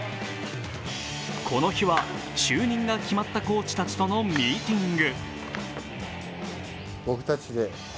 この日は、就任が決まったコーチたちとのミーティング。